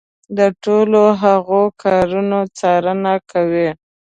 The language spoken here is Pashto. د ټولو هغو کارونو څارنه کوي.